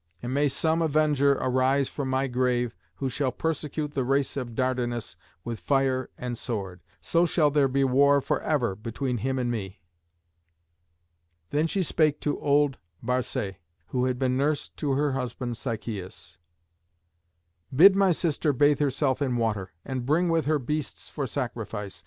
And may some avenger arise from my grave who shall persecute the race of Dardanus with fire and sword. So shall there be war for ever between him and me." Then she spake to old Barcé, who had been nurse to her husband Sichæus, "Bid my sister bathe herself in water, and bring with her beasts for sacrifice.